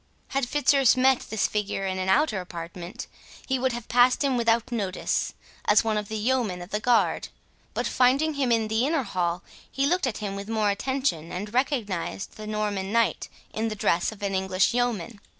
Had Fitzurse met this figure in an outer apartment, he would have passed him without notice, as one of the yeomen of the guard; but finding him in the inner hall, he looked at him with more attention, and recognised the Norman knight in the dress of an English yeoman.